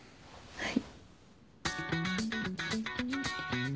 はい。